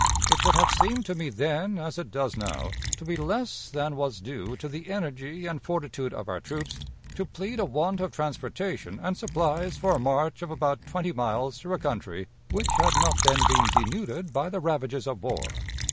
It would have seemed to me then, as it does now, to be less than was due to the energy and fortitude of our troops, to plead a want of transportation and supplies for a march of about twenty miles through a country which had not then been denuded by the ravages of war.